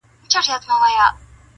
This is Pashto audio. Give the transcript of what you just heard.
د پلار اشنا د زوی کاکا -